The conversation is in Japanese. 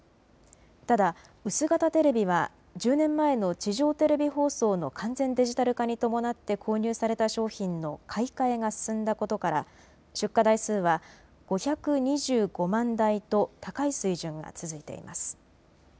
ただ薄型テレビは１０年前の地上テレビ放送の完全デジタル化に伴って購入された商品の買い替えが進んだことから出荷台数は５２５万台と高い水準が続いています。